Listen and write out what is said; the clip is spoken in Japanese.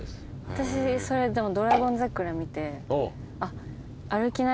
私それでも『ドラゴン桜』見て。